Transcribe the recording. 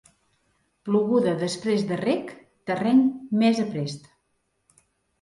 Ploguda després de reg, terreny més aprest.